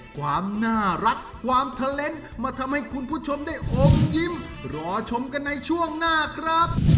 ความน่ารักความเทอร์เลนส์มาทำให้คุณผู้ชมได้อมยิ้มรอชมกันในช่วงหน้าครับ